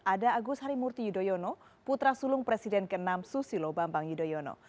ada agus harimurti yudhoyono putra sulung presiden ke enam susilo bambang yudhoyono